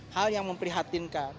hal yang memprihatinkan